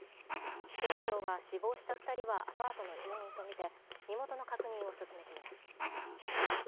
警視庁は、死亡した２人はアパートの住人と見て、身元の確認を進めています。